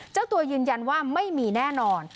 เจ้าตัวยืนยันว่าไม่มีแน่นอน